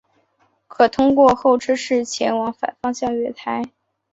可通过候车室前往反方向月台。